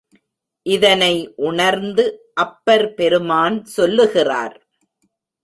இதனை உணர்ந்து அப்பர் பெருமான் சொல்லுகிறார்.